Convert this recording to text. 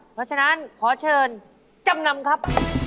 เพราะฉะนั้นขอเชิญจำนำครับ